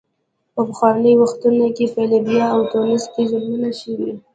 په پخوانیو وختونو کې په لیبیا او تونس کې ظلمونه شوي.